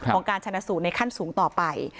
การชนะสูตรในขั้นสูงต่อไป